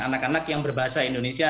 anak anak yang berbahasa indonesia